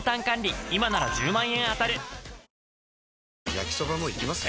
焼きソバもいきます？